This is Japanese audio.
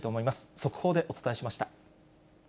速報でお伝えしました。